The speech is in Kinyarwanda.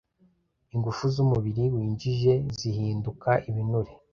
ingufu z'umubiri winjije zihinduka ibinure.